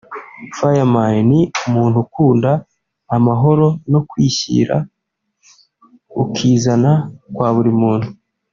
Fireman ni umuntu ukunda amahoro no kwishyira ukizana kwa buri muntu